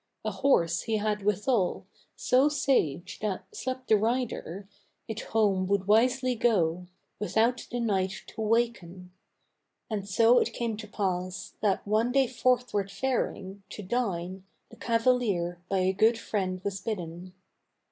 A horse he had withal, so sage that, slept the rider, It home would wisely go, without the knight to waken. And so it came to pass that one day forthward faring, To dine, the cavalier by a good friend was bidden.